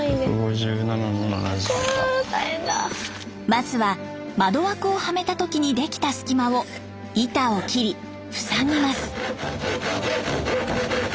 まずは窓枠をはめた時にできた隙間を板を切りふさぎます。